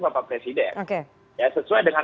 bapak presiden ya sesuai dengan